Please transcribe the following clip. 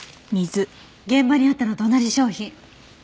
現場にあったのと同じ商品。